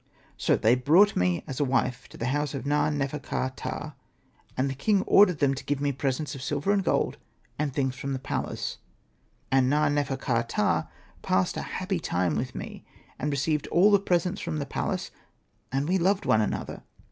So they brought me as a wife to the house of Na.nefer.ka.ptah ; and the king ordered them to give me presents of silver and gold, and things from the palace. " And Na.nefer.ka.ptah passed a happy time with me, and received all the presents from the palace ; and we loved one another.